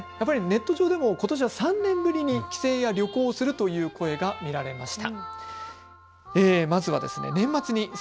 ネット上でもことしは３年ぶりに帰省や旅行をするという声が見られました。